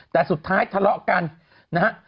แต่สุดท้ายทะเลาะกัน